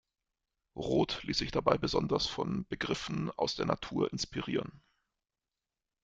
Roth ließ sich dabei besonders von Begriffen aus der Natur inspirieren.